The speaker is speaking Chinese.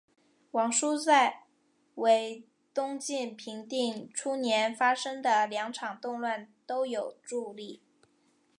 王舒在为东晋平定初年发生的两场动乱都有助力。